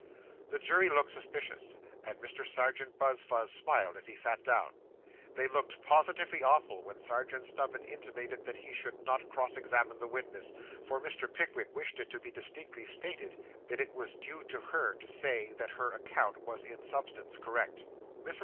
The jury looked suspicious, and Mr. Serjeant Buzfuz smiled as he sat down. They looked positively awful when Serjeant Snubbin intimated that he should not cross examine the witness, for Mr. Pickwick wished it to be distinctly stated that it was due to her to say, that her account was in substance correct. Mrs.